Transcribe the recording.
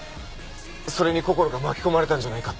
それにこころが巻き込まれたんじゃないかって。